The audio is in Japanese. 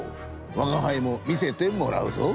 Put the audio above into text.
わがはいも見せてもらうぞ。